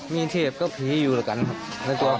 มีเทพกับผีอยู่ด้วยกันครับ